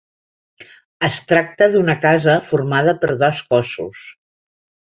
Es tracta d'una casa formada per dos cossos.